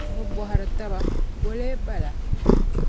bɛ bɔhiri taba, “Bɔ n-lee bala?”